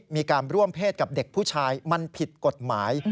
มีการร่วมเพศกับเด็กผู้ชายมันผิดกฎหมาย